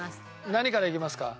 何からいきますか？